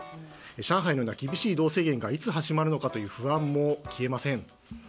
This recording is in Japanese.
上海のような厳しい移動制限がいつ始まるのかという不安も消えません。